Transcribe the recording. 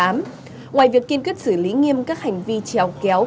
ngoài việc kiên quyết xử lý nghiêm các hành vi trèo kéo